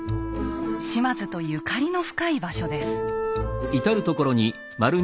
島津とゆかりの深い場所です。